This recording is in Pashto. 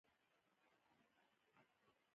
ټېسټ بازي اوږدې يي، خو تخنیکي دي.